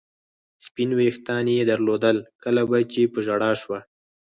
سپین وریښتان یې درلودل، کله به چې په ژړا شوه.